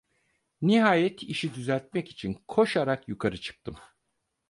Nihayet işi düzeltmek için koşarak yukarı çıktım.